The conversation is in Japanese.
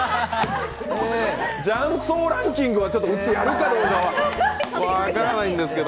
ジャン荘ランキングはうち、やるかどうか分かんないんですけど。